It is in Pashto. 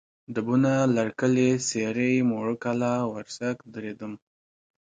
ډبونه، لرکلی، سېرۍ، موړو کلا، ورسک، دړیدم